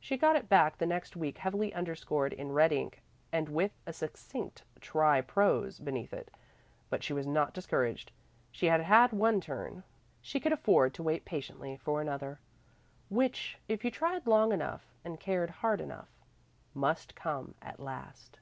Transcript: She got it back the next week heavily under scored in red ink, and with a succinct "Try prose," beneath it; but she was not discouraged. She had had one turn; she could afford to wait patiently for another, which, if you tried long enough and cared hard enough must come at last.